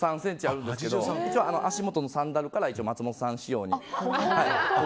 ８３ｃｍあるんですけど足元のサンダルから松本さん仕様に。